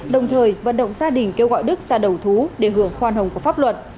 đồng thời vận động gia đình kêu gọi đức ra đầu thú để hưởng khoan hồng của pháp luật